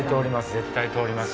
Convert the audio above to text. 絶対通ります。